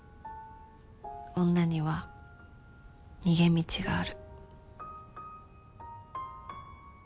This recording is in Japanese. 女には逃げ道がある。